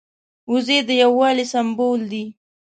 وزې د یو والي سمبول دي